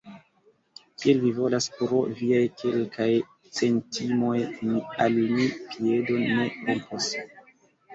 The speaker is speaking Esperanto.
Kiel vi volas; pro viaj kelkaj centimoj mi al mi piedon ne rompos.